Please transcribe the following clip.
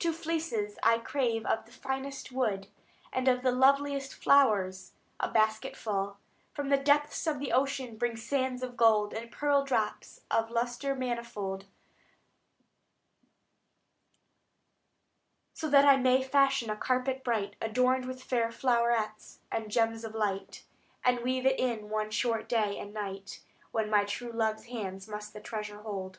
Two fleeces I crave of the finest wool, And of the loveliest flowers a basketful; From the depths of the ocean bring sands of gold, And pearl drops of lustre manifold; That so I may fashion a carpet bright, Adorned with fair flow'rets and gems of light, And weave it in one short day and night, When my true love's hands must the treasure hold."